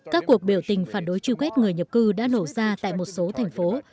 các cuộc biểu tình phản đối chiêu quét người nhập cư đã nổ ra tại một số thành phố